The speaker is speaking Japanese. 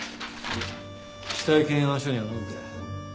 死体検案書にはなんて？